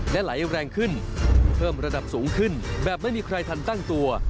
และไหลแรงขึ้นเพิ่มระดับสูงขึ้นแบบไม่มีใครทันตั้งตัว